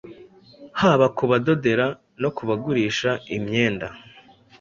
haba kubadodera no kubagurisha imyenda